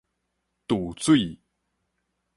駐水